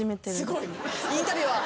インタビュアー。